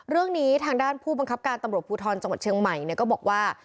เรื่องนี้ทางด้านผู้บังคับการตำรวจภูทรจังหวัดเชียงใหม่ก็บอกว่า